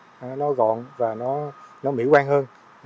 cây xanh nó gọn và nó mỹ quan hơn